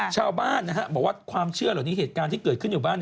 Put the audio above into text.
ชาวบ้านบอกว่าความเชื่อเหล่านี้เหตุการณ์ที่เกิดขึ้นอยู่บ้าน